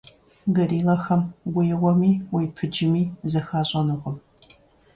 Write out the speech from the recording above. Гориллэхэм уеуэми, уепыджми, зэхащӀэнукъым.